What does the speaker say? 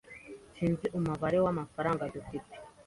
Sinzi umubare w'amafaranga dufite.